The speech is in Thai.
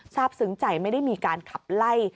ทราบซึ้งใจไม่ได้มีการขับไล่